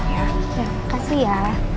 ya kasih ya